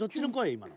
今の。